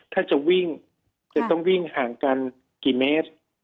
ถ้าจะวิ่งจะต้องวิ่งห่างกันกี่เมตร